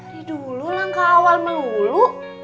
di dulu langkah awal melulu